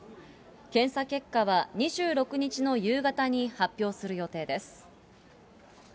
検査結果は２６日の夕方に発表する予定です。